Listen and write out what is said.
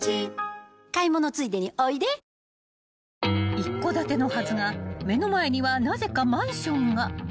［一戸建てのはずが目の前にはなぜかマンションが］